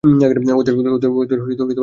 ওদের পাখাগুলো দেখো!